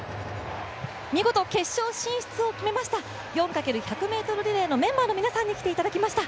見事決勝進出を決めました４×１００ｍリレーのメンバーの皆さんに来ていただきました。